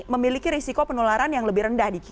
memiliki risiko penularan yang lebih rendah